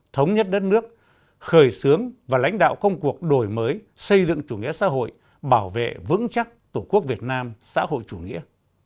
thống nhất đất nước khởi xướng và lãnh đạo công cuộc đổi mới xây dựng chủ nghĩa xã hội bảo vệ vững chắc tổ quốc việt nam xã hội chủ nghĩa